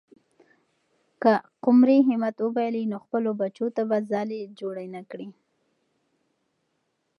که قمرۍ همت وبایلي، نو خپلو بچو ته به ځالۍ جوړه نه کړي.